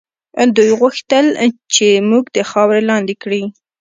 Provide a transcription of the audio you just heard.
دوی غوښتل چې موږ د خاورو لاندې کړي.